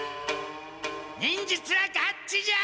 忍術はガッツじゃ！